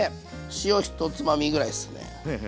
塩１つまみぐらいですね。